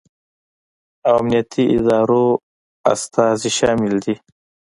او امنیتي ادارو استازي شامل دي